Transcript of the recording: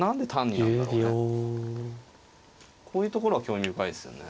こういうところが興味深いですよね。